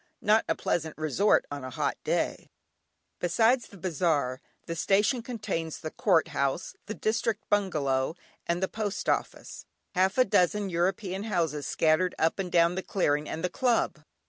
Not a pleasant resort on a hot day. Besides the bazaar, the station contains the Court House, the District Bungalow, and the Post Office; half a dozen European houses scattered up and down the clearing, and the club.